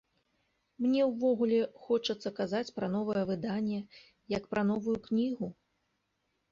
Мне ўвогуле хочацца казаць пра новае выданне, як пра новую кнігу.